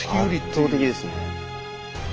圧倒的ですね。